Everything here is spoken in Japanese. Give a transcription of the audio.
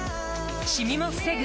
シミも防ぐ